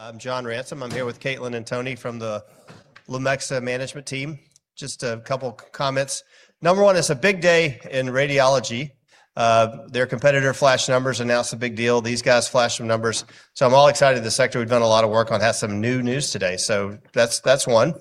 I'm John Ransom. I'm here with Caitlin and Tony from the Lumexa management team. Just a couple of comments. Number one, it's a big day in radiology. Their competitor, Flash Numbers, announced a big deal. These guys, Flash Numbers. I'm all excited. The sector we've done a lot of work on has some new news today. That's one.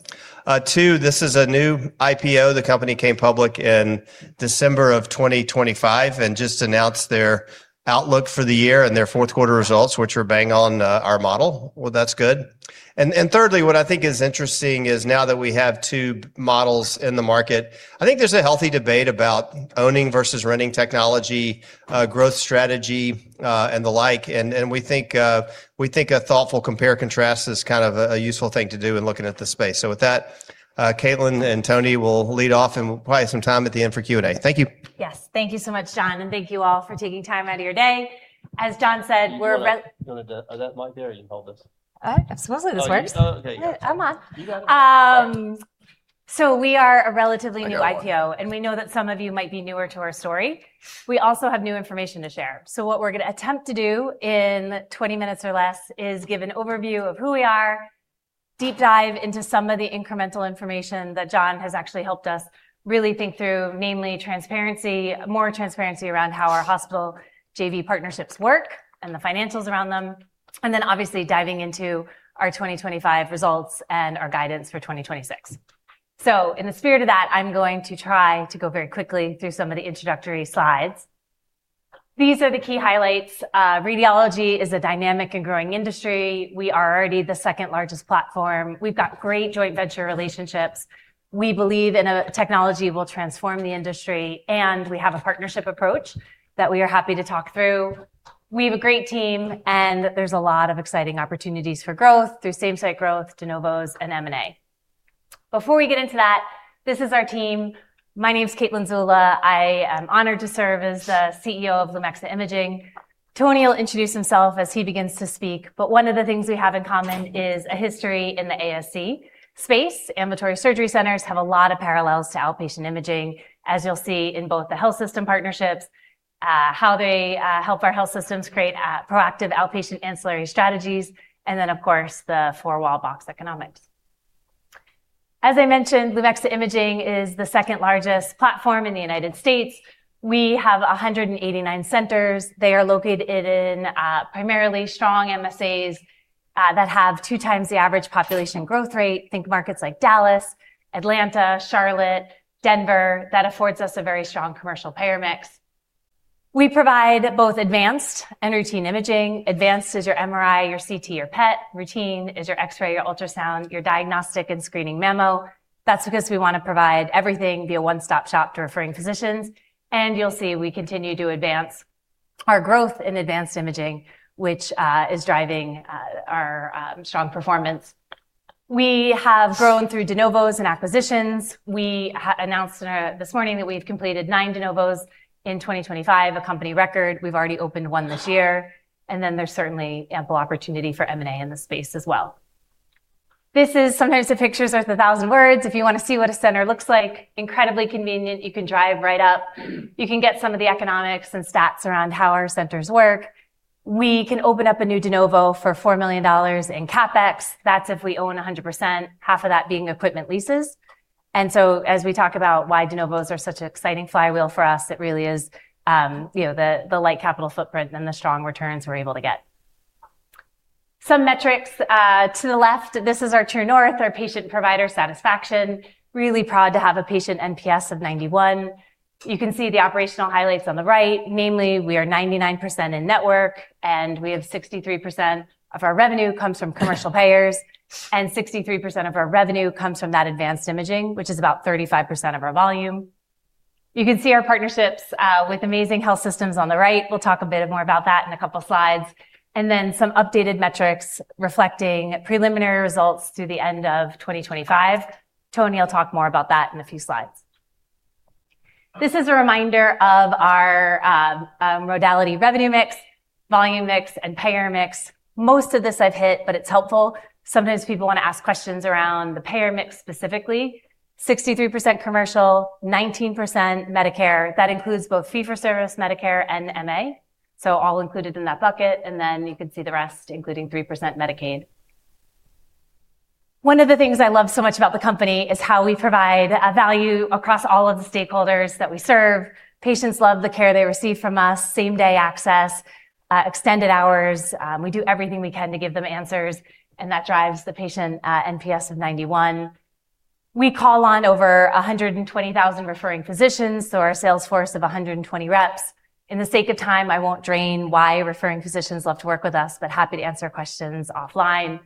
Two, this is a new IPO. The company came public in December of 2025 and just announced their outlook for the year and their fourth quarter results, which were bang on our model. Well, that's good. Thirdly, what I think is interesting is now that we have two models in the market, I think there's a healthy debate about owning versus renting technology, growth strategy, and the like. We think a thoughtful compare contrast is kind of a useful thing to do in looking at the space. With that, Caitlin and Tony will lead off, and we'll probably have some time at the end for Q&A. Thank you. Yes. Thank you so much, John, thank you all for taking time out of your day. As John said. Do you wanna that mic there, or you can hold this? Supposedly this works. Oh, you. Oh, okay. Yeah. I'm on. You got it. We are a relatively new IPO. I know you are. We know that some of you might be newer to our story. We also have new information to share. What we're gonna attempt to do in 20 minutes or less is give an overview of who we are, deep dive into some of the incremental information that John has actually helped us really think through, namely transparency, more transparency around how our hospital JV partnerships work and the financials around them, and then obviously diving into our 2025 results and our guidance for 2026. In the spirit of that, I'm going to try to go very quickly through some of the introductory slides. These are the key highlights. Radiology is a dynamic and growing industry. We are already the second-largest platform. We've got great joint venture relationships. We believe in a technology that will transform the industry. We have a partnership approach that we are happy to talk through. We have a great team. There's a lot of exciting opportunities for growth through same-site growth, de novo, and M&A. Before we get into that, this is our team. My name's Caitlin Zulla. I am honored to serve as the CEO of Lumexa Imaging. Tony will introduce himself as he begins to speak. One of the things we have in common is a history in the ASC space. Ambulatory surgery centers have a lot of parallels to outpatient imaging, as you'll see in both the health system partnerships, how they help our health systems create proactive outpatient ancillary strategies, and then, of course, the four-wall box economics. As I mentioned, Lumexa Imaging is the second-largest platform in the United States. We have 189 centers. They are located in primarily strong MSAs that have 2 times the average population growth rate. Think markets like Dallas, Atlanta, Charlotte, Denver. That affords us a very strong commercial payer mix. We provide both advanced and routine imaging. Advanced is your MRI, your CT, your PET. Routine is your X-ray, your ultrasound, your diagnostic and screening mammo. That's because we wanna provide everything via one-stop shop to referring physicians, and you'll see we continue to advance our growth in advanced imaging, which is driving our strong performance. We have grown through de novo and acquisitions. We announced this morning that we've completed nine de novo in 2025, a company record. We've already opened one this year, and then there's certainly ample opportunity for M&A in this space as well. Sometimes the pictures are the thousand words. If you wanna see what a center looks like, incredibly convenient. You can drive right up. You can get some of the economics and stats around how our centers work. We can open up a new de novo for $4 million in CapEx. That's if we own 100%, half of that being equipment leases. As we talk about why de novo are such an exciting flywheel for us, it really is, you know, the light capital footprint and the strong returns we're able to get. Some metrics to the left. This is our true north, our patient provider satisfaction. Really proud to have a patient NPS of 91. You can see the operational highlights on the right. Namely, we are 99% in-network, we have 63% of our revenue comes from commercial payers, 63% of our revenue comes from that advanced imaging, which is about 35% of our volume. You can see our partnerships with amazing health systems on the right. We'll talk a bit more about that in a couple of slides. Some updated metrics reflecting preliminary results through the end of 2025. Tony will talk more about that in a few slides. This is a reminder of our modality revenue mix, volume mix, and payer mix. Most of this I've hit, but it's helpful. Sometimes people wanna ask questions around the payer mix specifically. 63% commercial, 19% Medicare. That includes both fee-for-service Medicare and MA, all included in that bucket. You can see the rest, including 3% Medicaid. One of the things I love so much about the company is how we provide value across all of the stakeholders that we serve. Patients love the care they receive from us, same-day access, extended hours. We do everything we can to give them answers, and that drives the patient NPS of 91. We call on over 120,000 referring physicians, so our sales force of 120 reps. In the sake of time, I won't drain why referring physicians love to work with us, but happy to answer questions offline.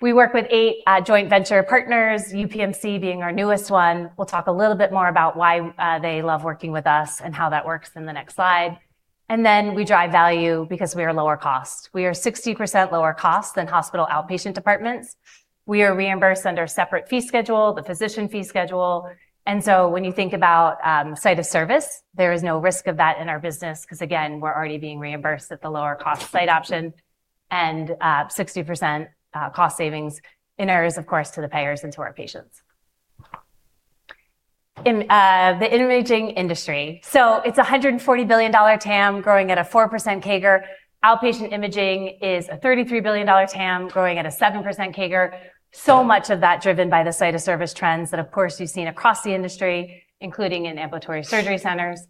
We work with eight joint venture partners, UPMC being our newest one. We'll talk a little bit more about why they love working with us and how that works in the next slide. We drive value because we are lower cost. We are 60% lower cost than Hospital Outpatient Departments. We are reimbursed under a separate fee schedule, the Physician Fee Schedule. When you think about site of service, there is no risk of that in our business 'cause, again, we're already being reimbursed at the lower cost site option and 60% cost savings in areas, of course, to the payers and to our patients. In the imaging industry. It's a $140 billion TAM growing at a 4% CAGR. Outpatient imaging is a $33 billion TAM growing at a 7% CAGR. Much of that driven by the site of service trends that, of course, you've seen across the industry, including in ambulatory surgery centers.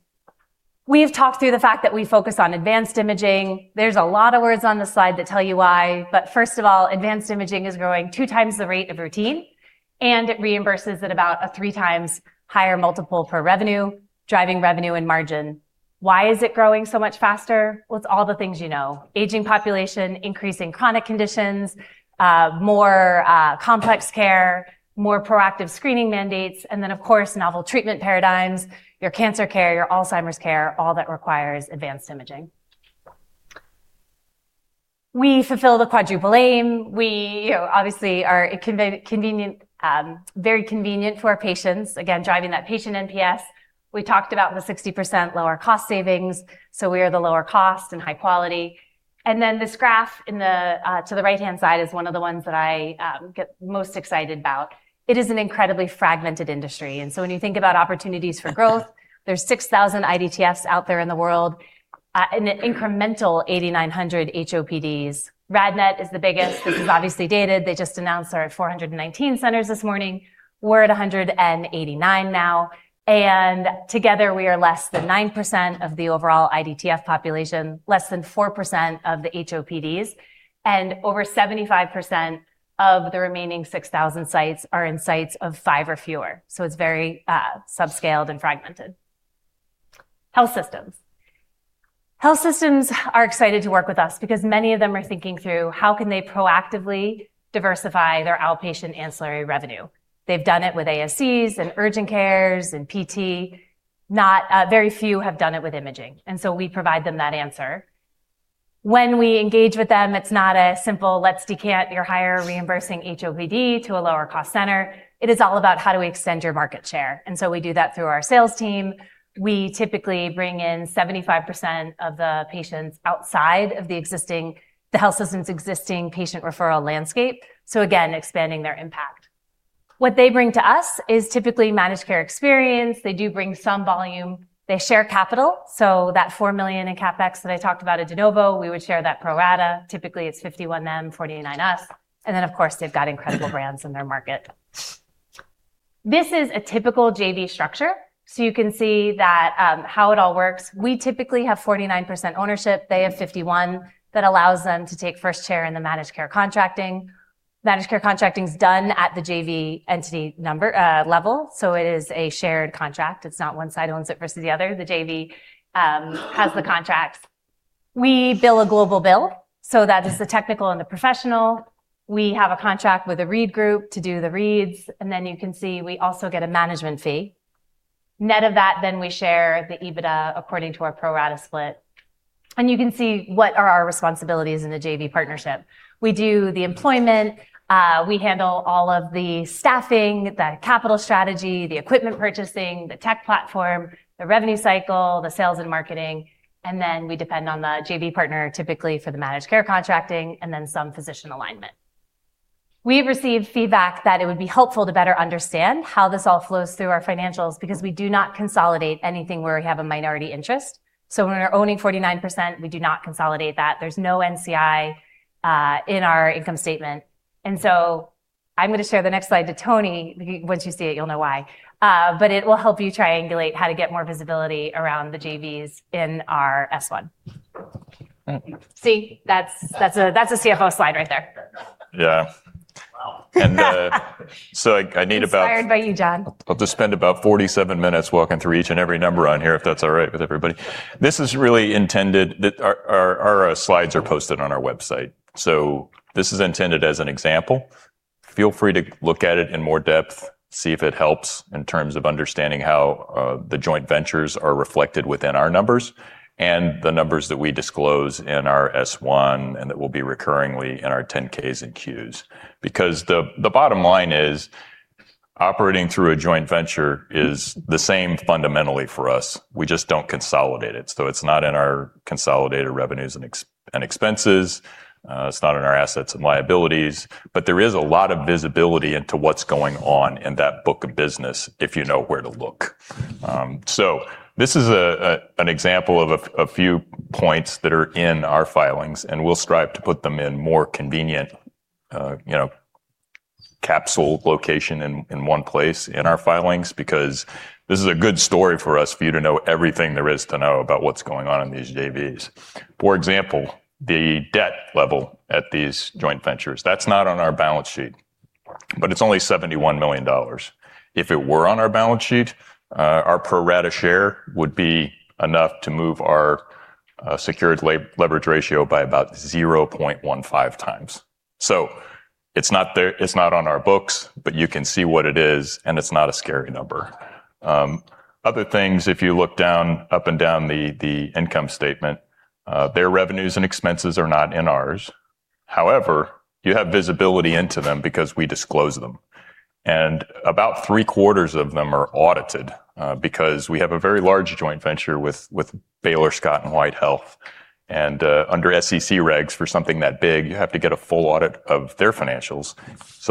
We've talked through the fact that we focus on advanced imaging. There's a lot of words on the slide that tell you why, but first of all, advanced imaging is growing 2 times the rate of routine, and it reimburses at about a 3 times higher multiple per revenue, driving revenue and margin. Why is it growing so much faster? Well, it's all the things you know. Aging population, increasing chronic conditions, more complex care, more proactive screening mandates, and then of course, novel treatment paradigms, your cancer care, your Alzheimer's care, all that requires advanced imaging. We fulfill the Quadruple Aim. We, you know, obviously, are convenient, very convenient for our patients, again, driving that patient NPS. We talked about the 60% lower cost savings, so we are the lower cost and high quality. This graph in the to the right-hand side is one of the ones that I get most excited about. It is an incredibly fragmented industry. When you think about opportunities for growth, there's 6,000 IDTFs out there in the world and an incremental 8,900 HOPDs. RadNet is the biggest. This is obviously dated. They just announced they're at 419 centers this morning. We're at 189 now, and together we are less than 9% of the overall IDTF population, less than 4% of the HOPDs, and over 75% of the remaining 6,000 sites are in sites of five or fewer. It's very sub-scaled and fragmented. Health systems. Health systems are excited to work with us because many of them are thinking through how can they proactively diversify their outpatient ancillary revenue. They've done it with ASCs and urgent cares and PT. Not very few have done it with imaging. We provide them that answer. When we engage with them, it's not a simple, "Let's decant your higher reimbursing HOPD to a lower cost center." It is all about how do we extend your market share. We do that through our sales team. We typically bring in 75% of the patients outside of the health system's existing patient referral landscape, so again, expanding their impact. What they bring to us is typically managed care experience. They do bring some volume. They share capital, that $4 million in CapEx that I talked about at de novo, we would share that pro rata. Typically, it's 51 them, 49 us, of course, they've got incredible brands in their market. This is a typical JV structure. You can see that how it all works. We typically have 49% ownership. They have 51. That allows them to take first chair in the managed care contracting. Managed care contracting is done at the JV entity number level, it is a shared contract. It's not one side owns it versus the other. The JV has the contract. We bill a global bill, that is the technical and the professional. We have a contract with a read group to do the reads, you can see we also get a management fee. Net of that, we share the EBITDA according to our pro rata split. You can see what are our responsibilities in the JV partnership. We do the employment, we handle all of the staffing, the capital strategy, the equipment purchasing, the tech platform, the revenue cycle, the sales and marketing, and then we depend on the JV partner, typically for the managed care contracting and then some physician alignment. We've received feedback that it would be helpful to better understand how this all flows through our financials because we do not consolidate anything where we have a minority interest. When we're owning 49%, we do not consolidate that. There's no NCI in our income statement. I'm gonna share the next slide to Tony. Once you see it, you'll know why. It will help you triangulate how to get more visibility around the JVs in our S-one. See? That's a CFO slide right there. Yeah. Wow. I need. Inspired by you, John. I'll just spend about 47 minutes walking through each and every number on here if that's all right with everybody. This is really intended. Our slides are posted on our website. This is intended as an example. Feel free to look at it in more depth, see if it helps in terms of understanding how the joint ventures are reflected within our numbers and the numbers that we disclose in our S-one and that will be recurringly in our 10-Ks and Q's. The bottom line is operating through a joint venture is the same fundamentally for us. We just don't consolidate it. It's not in our consolidated revenues and expenses, it's not in our assets and liabilities, there is a lot of visibility into what's going on in that book of business if you know where to look. This is an example of a few points that are in our filings, and we'll strive to put them in more convenient, you know, capsule location in one place in our filings because this is a good story for us for you to know everything there is to know about what's going on in these JVs. For example, the debt level at these joint ventures. That's not on our balance sheet, but it's only $71 million. If it were on our balance sheet, our pro rata share would be enough to move our secured lab-leverage ratio by about 0.15x. It's not there, it's not on our books, but you can see what it is, and it's not a scary number. Other things, if you look down, up, and down the income statement, their revenues and expenses are not in ours. You have visibility into them because we disclose them. About three-quarters of them are audited because we have a very large joint venture with Baylor Scott & White Health. Under SEC regs for something that big, you have to get a full audit of their financials.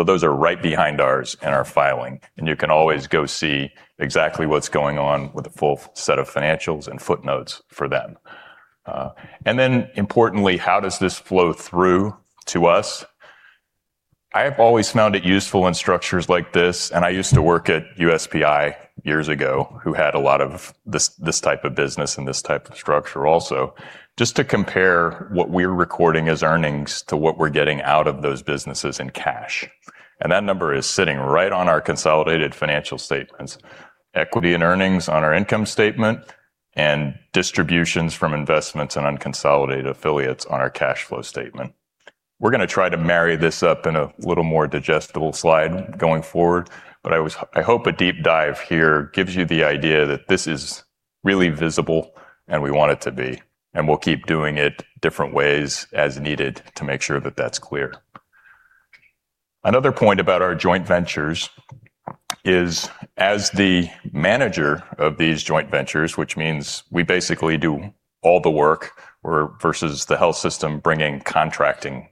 Those are right behind ours in our filing, and you can always go see exactly what's going on with a full set of financials and footnotes for them. Importantly, how does this flow through to us? I've always found it useful in structures like this, and I used to work at USPI years ago, who had a lot of this type of business and this type of structure also, just to compare what we're recording as earnings to what we're getting out of those businesses in cash. That number is sitting right on our consolidated financial statements, equity and earnings on our income statement, and distributions from investments and unconsolidated affiliates on our cash flow statement. We're gonna try to marry this up in a little more digestible slide going forward, but I hope a deep dive here gives you the idea that this is really visible, and we want it to be, and we'll keep doing it different ways as needed to make sure that that's clear. Another point about our joint ventures is, as the manager of these joint ventures, which means we basically do all the work, versus the health system bringing contracting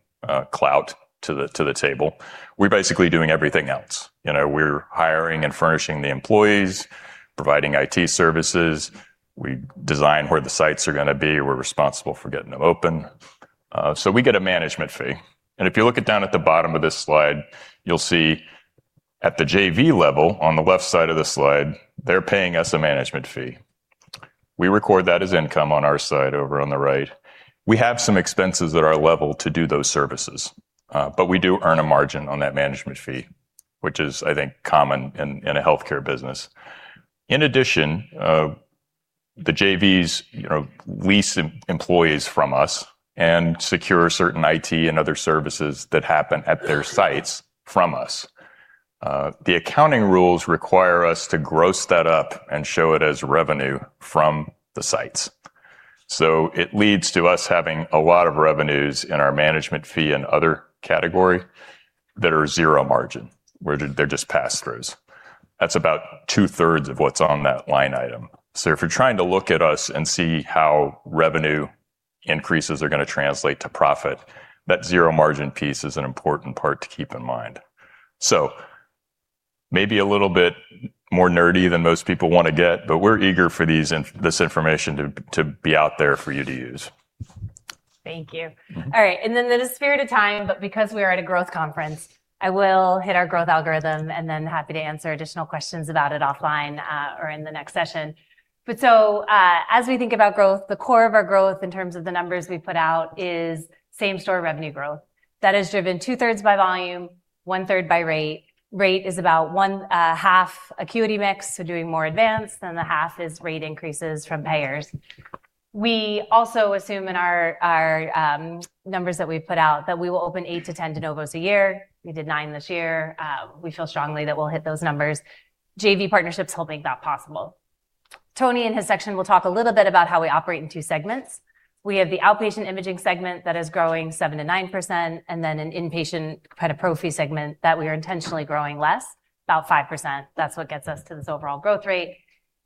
clout to the table. We're basically doing everything else. You know, we're hiring and furnishing the employees, providing IT services. We design where the sites are gonna be. We're responsible for getting them open. We get a management fee. If you look at down at the bottom of this slide, you'll see at the JV level on the left side of the slide, they're paying us a management fee. We record that as income on our side over on the right. We have some expenses at our level to do those services, but we do earn a margin on that management fee, which is, I think, common in a healthcare business. In addition, the JVs, you know, lease employees from us and secure certain IT and other services that happen at their sites from us. The accounting rules require us to gross that up and show it as revenue from the sites. It leads to us having a lot of revenues in our management fee and other categories that are zero margin, where they're just pass-throughs. That's about two-thirds of what's on that line item. If you're trying to look at us and see how revenue increases are gonna translate to profit, that zero margin piece is an important part to keep in mind. Maybe a little bit more nerdy than most people wanna get, but we're eager for this information to be out there for you to use. Thank you. All right. In the spirit of time, because we are at a growth conference, I will hit our growth algorithm, then happy to answer additional questions about it offline or in the next session. As we think about growth, the core of our growth in terms of the numbers we put out is same-store revenue growth. That is driven 2/3 by volume, 1/3 by rate. Rate is about 1/2 acuity mix, so doing more advanced, then the 1/2 is rate increases from payers. We also assume in our numbers that we've put out that we will open eight to 10 de novo a year. We did 9 this year. We feel strongly that we'll hit those numbers. JV partnerships will make that possible. Tony, in his section, will talk a little bit about how we operate in two segments. We have the outpatient imaging segment that is growing 7%-9%, and then an inpatient kind of pro-fee segment that we are intentionally growing less, about 5%. That's what gets us to this overall growth rate.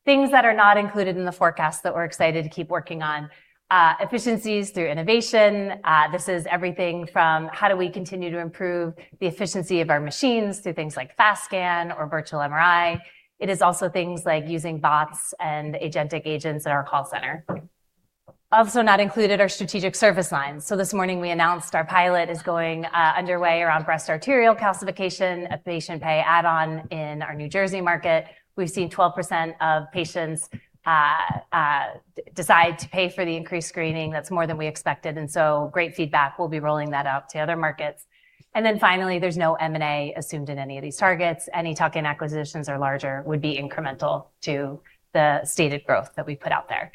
Things that are not included in the forecast that we're excited to keep working on, efficiencies through innovation. This is everything from how do we continue to improve the efficiency of our machines through things like fast scan or virtual MRI. It is also things like using bots and agentic agents in our call center. Also not included are strategic service lines. This morning, we announced our pilot is going underway around Breast Arterial Calcification, a patient pay add-on in our New Jersey market. We've seen 12% of patients decide to pay for the increased screening. That's more than we expected. Great feedback. We'll be rolling that out to other markets. Finally, there's no M&A assumed in any of these targets. Any tuck-in acquisitions or larger would be incremental to the stated growth that we put out there.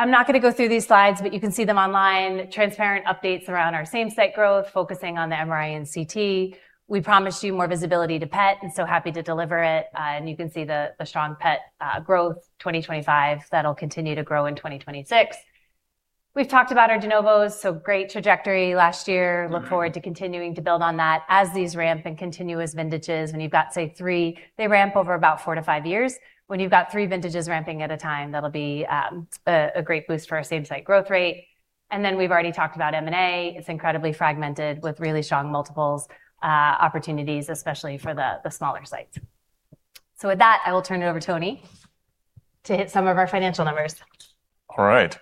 I'm not gonna go through these slides. You can see them online. Transparent updates around our same-site growth, focusing on the MRI and CT. We promised you more visibility to PET. Happy to deliver it. You can see the strong PET growth, 2025. That'll continue to grow in 2026. We've talked about our de novo. Great trajectory last year. Look forward to continuing to build on that. As these ramp and continue as vintages, and you've got, say, three, they ramp over about four to five years. When you've got three vintages ramping at a time, that'll be a great boost for our same-site growth rate. We've already talked about M&A. It's incredibly fragmented with really strong multiples, opportunities, especially for the smaller sites. With that, I will turn it over to Tony to hit some of our financial numbers. All right.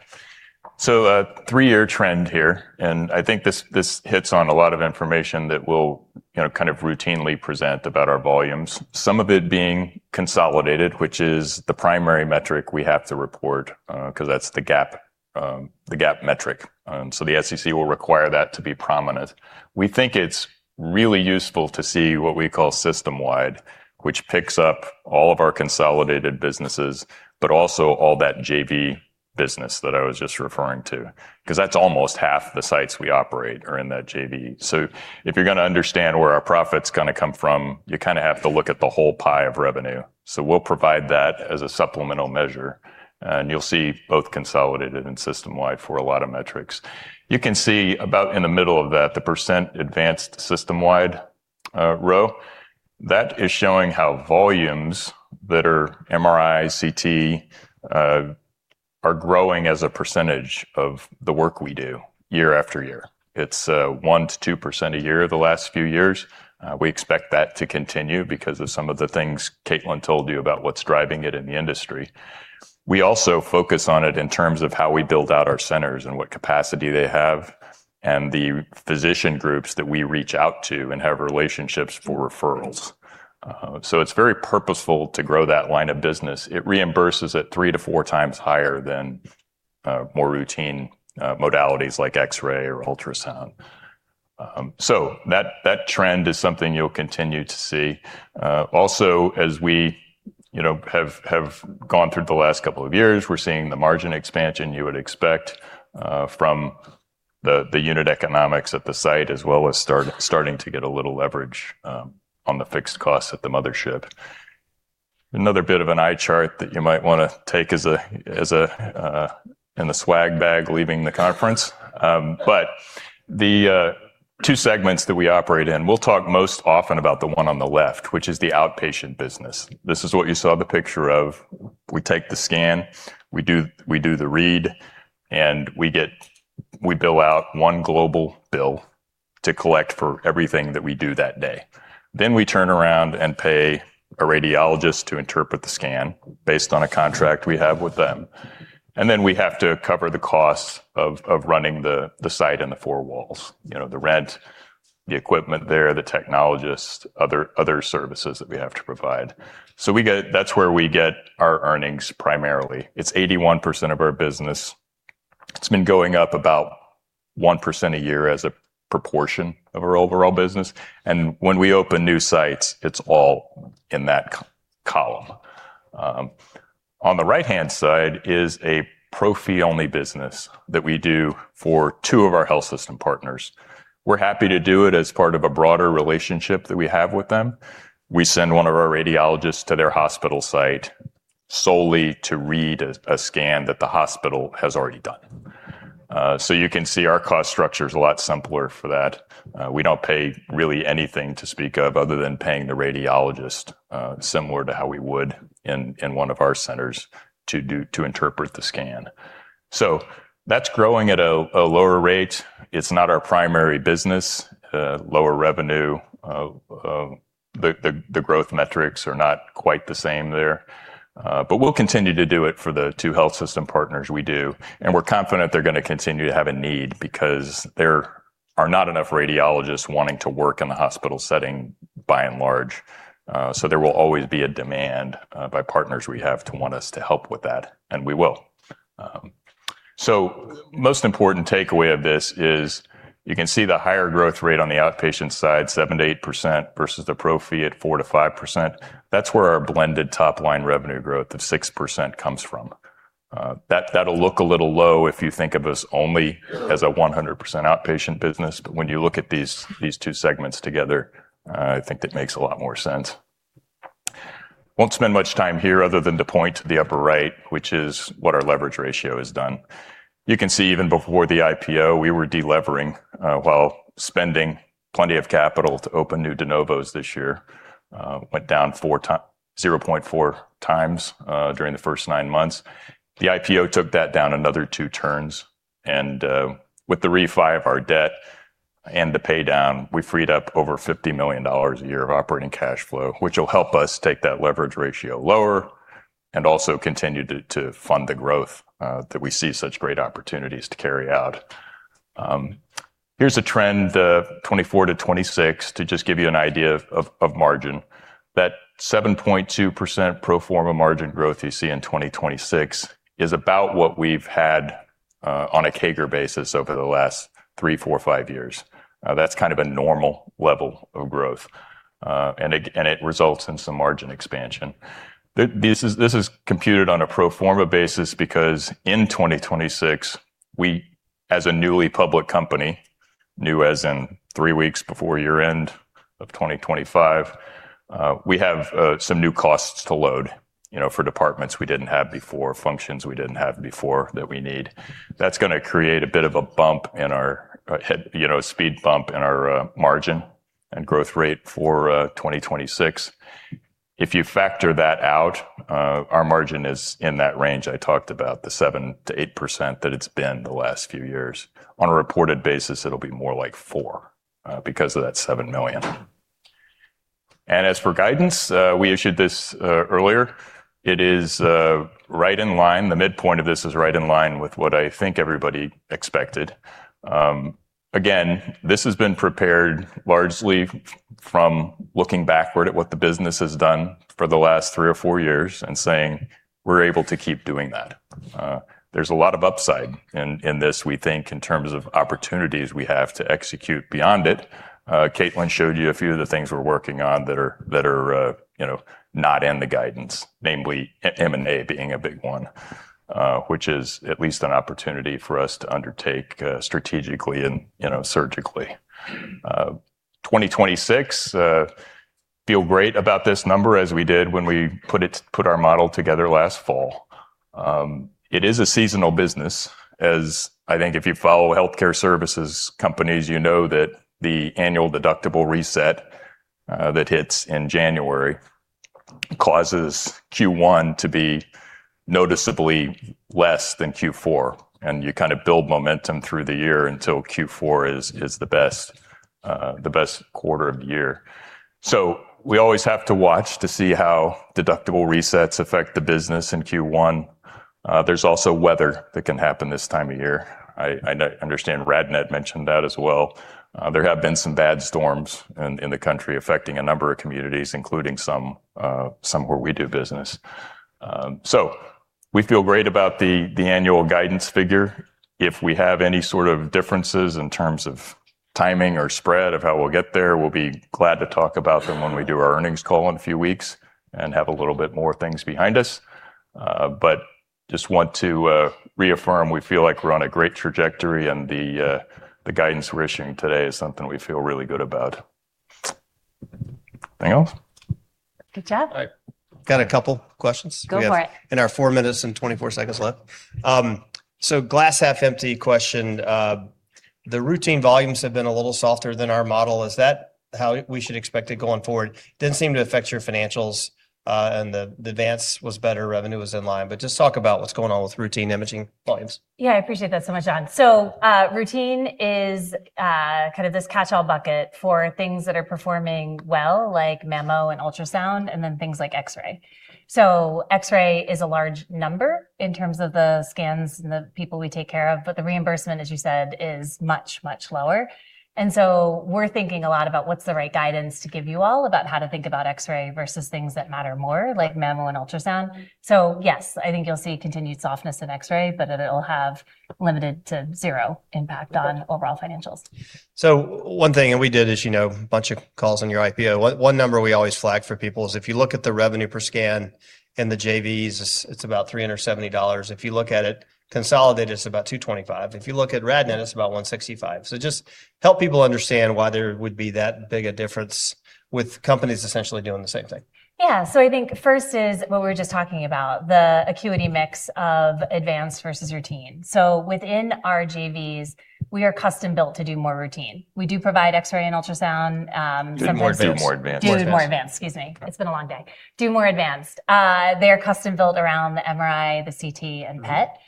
A three-year trend here, and I think this hits on a lot of information that we'll, you know, kind of routinely present about our volumes, some of it being consolidated, which is the primary metric we have to report, 'cause that's the GAAP, the GAAP metric. The SEC will require that to be prominent. We think it's really useful to see what we call system-wide, which picks up all of our consolidated businesses, but also all that JV business that I was just referring to, 'cause that's almost half the sites we operate are in that JV. If you're gonna understand where our profit's gonna come from, you kinda have to look at the whole pie of revenue. We'll provide that as a supplemental measure, and you'll see both consolidated and system-wide for a lot of metrics. You can see about in the middle of that, the percent advanced system-wide row. That is showing how volumes that are MRI, CT are growing as a percentage of the work we do year after year. It's 1%-2% a year the last few years. We expect that to continue because of some of the things Caitlin told you about what's driving it in the industry. We also focus on it in terms of how we build out our centers and what capacity they have, and the physician groups that we reach out to and have relationships for referrals. It's very purposeful to grow that line of business. It reimburses at 3 times-4 times higher than more routine modalities like X-ray or ultrasound. That trend is something you'll continue to see. Also, as we, you know, have gone through the last couple of years, we're seeing the margin expansion you would expect from the unit economics at the site, as well as starting to get a little leverage on the fixed costs at the mothership. Another bit of an eye chart that you might wanna take as a, as a, in the swag bag leaving the conference. The two segments that we operate in, we'll talk most often about the one on the left, which is the outpatient business. This is what you saw the picture of. We take the scan, we do the read, and we get. We bill out one global bill to collect for everything that we do that day. We turn around and pay a radiologist to interpret the scan based on a contract we have with them. We have to cover the costs of running the site and the four walls. You know, the rent, the equipment there, the technologists, other services that we have to provide. That's where we get our earnings primarily. It's 81% of our business. It's been going up about 1% a year as a proportion of our overall business. When we open new sites, it's all in that c-column. On the right-hand side is a pro fee only business that we do for two of our health system partners. We're happy to do it as part of a broader relationship that we have with them. We send one of our radiologists to their hospital site solely to read a scan that the hospital has already done. You can see our cost structure is a lot simpler for that. We don't pay really anything to speak of other than paying the radiologist, similar to how we would in one of our centers to interpret the scan. That's growing at a lower rate. It's not our primary business. Lower revenue. The growth metrics are not quite the same there. We'll continue to do it for the two health system partners we do. We're confident they're gonna continue to have a need because there are not enough radiologists wanting to work in the hospital setting by and large. There will always be a demand by partners we have to want us to help with that, and we will. Most important takeaway of this is you can see the higher growth rate on the outpatient side, 7%-8% versus the pro fee at 4%-5%. That's where our blended top-line revenue growth of 6% comes from. That'll look a little low if you think of us only as a 100% outpatient business. When you look at these two segments together, I think it makes a lot more sense. Won't spend much time here other than to point to the upper right, which is what our leverage ratio has done. You can see even before the IPO, we were delevering while spending plenty of capital to open new de novo this year. Went down 0.4 times during the first nine months. The IPO took that down another two turns. With the refi of our debt and the pay down, we freed up over $50 million a year of operating cash flow, which will help us take that leverage ratio lower and also continue to fund the growth that we see such great opportunities to carry out. Here's a trend 2024-2026, to just give you an idea of margin. That 7.2% pro forma margin growth you see in 2026 is about what we've had on a CAGR basis over the last three, four, five years. That's kind of a normal level of growth, and it results in some margin expansion. This is computed on a pro forma basis because in 2026, we, as a newly public company, new as in three weeks before year-end of 2025, we have some new costs to load, you know, for departments we didn't have before, functions we didn't have before that we need. That's gonna create a bit of a bump in our, you know, speed bump in our margin and growth rate for 2026. If you factor that out, our margin is in that range I talked about, the 7%-8% that it's been the last few years. On a reported basis, it'll be more like 4%, because of that $7 million. As for guidance, we issued this earlier. It is right in line. The midpoint of this is right in line with what I think everybody expected. Again, this has been prepared largely from looking backward at what the business has done for the last three or four years and saying, we're able to keep doing that. There's a lot of upside in this, we think, in terms of opportunities we have to execute beyond it. Caitlin showed you a few of the things we're working on that are, you know, not in the guidance, namely M&A being a big one, which is at least an opportunity for us to undertake, strategically and, you know, surgically. 2026, feel great about this number as we did when we put our model together last fall. It is a seasonal business. I think if you follow healthcare services companies, you know that the annual deductible reset that hits in January causes Q1 to be noticeably less than Q4, and you kinda build momentum through the year until Q4 is the best quarter of the year. We always have to watch to see how deductible resets affect the business in Q1. There's also weather that can happen this time of year. I understand RadNet mentioned that as well. There have been some bad storms in the country affecting a number of communities, including some where we do business. We feel great about the annual guidance figure. If we have any sort of differences in terms of timing or spread of how we'll get there, we'll be glad to talk about them when we do our earnings call in a few weeks. Have a little bit more things behind us. Just want to reaffirm we feel like we're on a great trajectory and the guidance we're issuing today is something we feel really good about. Anything else? Good job. All right. Got a couple questions. Go for it. We have in our four minutes and 24 seconds left. Glass half empty question. The routine volumes have been a little softer than our model. Is that how we should expect it going forward? Didn't seem to affect your financials, and the advance was better, revenue was in line. Just talk about what's going on with routine imaging volumes. I appreciate that so much, John. Routine is kind of this catchall bucket for things that are performing well like mammo and ultrasound, and then things like X-ray. X-ray is a large number in terms of the scans and the people we take care of, but the reimbursement, as you said, is much, much lower. We're thinking a lot about what's the right guidance to give you all about how to think about X-ray versus things that matter more, like mammo and ultrasound. Yes, I think you'll see continued softness in X-ray, but it'll have limited to zero impact on overall financials. One thing, and we did, as you know, a bunch of calls on your IPO, one number we always flag for people is if you look at the revenue per scan in the JVs, it's about $370. If you look at it consolidated, it's about $225. If you look at RadNet, it's about $165. Just help people understand why there would be that big a difference with companies essentially doing the same thing. Yeah. I think first is what we were just talking about, the acuity mix of advanced versus routine. Within our JVs, we are custom-built to do more routine. We do provide X-ray and ultrasound. Do more advanced. Do more advanced. Do more advanced, excuse me. It's been a long day. Do more advanced. They are custom built around the MRI, the CT, and PET.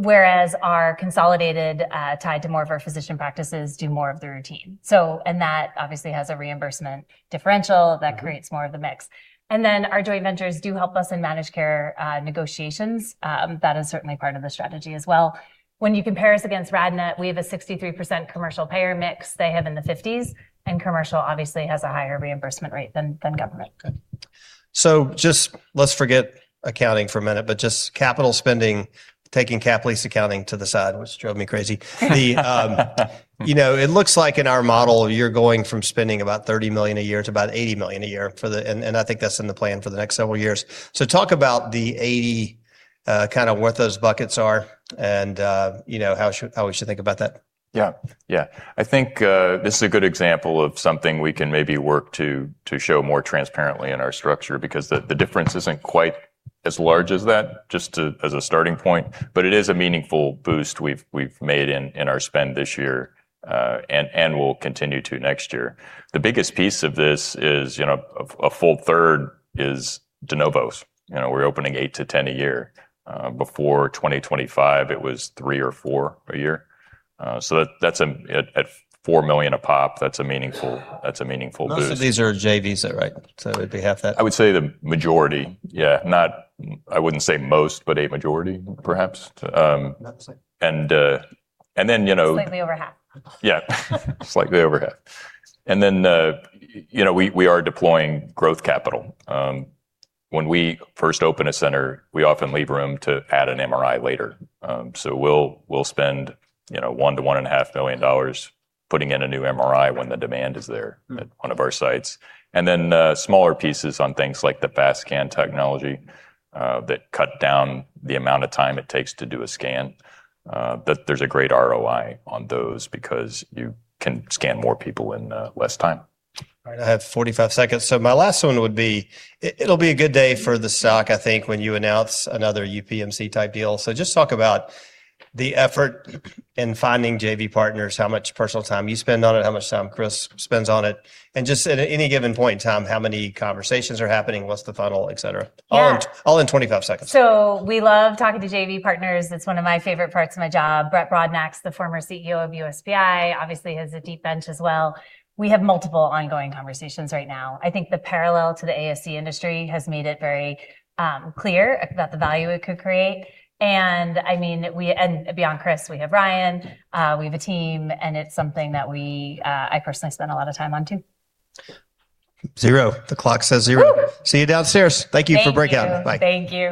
Whereas our consolidated, tied to more of our physician practices do more of the routine. That obviously has a reimbursement differential that creates more of the mix. Our joint ventures do help us in managed care negotiations. That is certainly part of the strategy as well. When you compare us against RadNet, we have a 63% commercial payer mix. They have in the 50s, and commercial obviously has a higher reimbursement rate than government. Okay. Just let's forget accounting for a minute, but just capital spending, taking cap lease accounting to the side, which drove me crazy. The, you know, it looks like in our model, you're going from spending about $30 million a year to about $80 million a year for the. I think that's in the plan for the next several years. Talk about the $80 million, kind of what those buckets are and, you know, how should, how we should think about that. Yeah. Yeah. I think, this is a good example of something we can maybe work to show more transparently in our structure because the difference isn't quite as large as that, just to... as a starting point, but it is a meaningful boost we've made in our spend this year, and we'll continue to next year. The biggest piece of this is, you know, a full third is de novo. You know, we're opening eight to 10 a year. Before 2025, it was three or four a year. That's at $4 million a pop, that's a meaningful boost. Most of these are JVs, though, right? It'd be half that. I would say the majority, yeah. I wouldn't say most, but a majority perhaps to, About the same.... you know... Slightly over half. Yeah. Slightly over half. You know, we are deploying growth capital. When we first open a center, we often leave room to add an MRI later. We'll spend, you know, $1 to one and a $500,000 putting in a new MRI when the demand is there. Mm At one of our sites. Smaller pieces on things like the fast scan technology, that cut down the amount of time it takes to do a scan. There's a great ROI on those because you can scan more people in, less time. All right. I have 45 seconds. My last one would be, it'll be a good day for the stock, I think, when you announce another UPMC type deal. Just talk about the effort in finding JV partners, how much personal time you spend on it, how much time Chris spends on it, and just at any given point in time, how many conversations are happening, what's the funnel, et cetera. Yeah. All in 25 seconds. We love talking to JV partners. It's one of my favorite parts of my job. Brett Brodnax, the former CEO of USPI, obviously has a deep bench as well. We have multiple ongoing conversations right now. I think the parallel to the ASC industry has made it very clear about the value it could create. I mean, beyond Chris, we have Ryan, we have a team, and it's something that we, I personally spend a lot of time on too. Zero. The clock says zero. Woo. See you downstairs. Thank you. Thank you for breaking out. Bye. Thank you.